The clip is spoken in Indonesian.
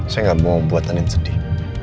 saya nggak mau membuat andin sedih